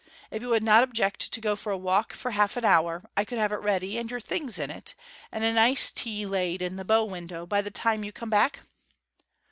If you would not object to go for a walk for half an hour, I could have it ready, and your things in it, and a nice tea laid in the bow window by the time you come back?'